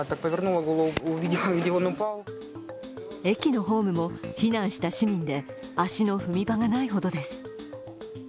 駅のホームも避難した市民で足の踏み場もないほどです。